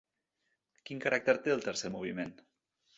Quin caràcter té el tercer moviment?